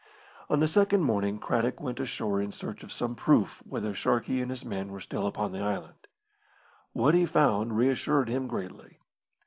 On the second morning Craddock went ashore in search of some proof whether Sharkey and his men were still upon the island. What he found reassured him greatly.